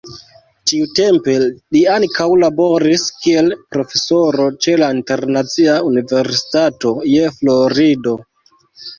Tiutempe li ankaŭ laboris kiel profesoro ĉe la Internacia Universitato je Florido.